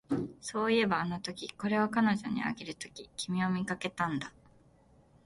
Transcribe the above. そういえば、あのとき、これを彼女にあげるとき、君を見かけたんだ